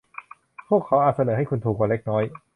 พวกเขาอาจเสนอให้คุณถูกกว่าเล็กน้อย